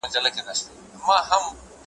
چي یې زده نه وي وهل د غلیمانو `